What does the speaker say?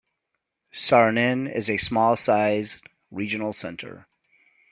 Sarnen is a small sized regional center.